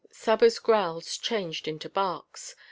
Saba's growls changed into barks.